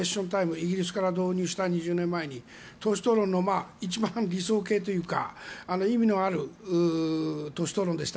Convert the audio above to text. イギリスから２０年前に導入した党首討論の一番理想形というか意味のある党首討論でした。